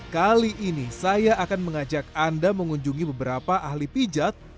kali ini saya akan mengajak anda mengunjungi beberapa ahli pijat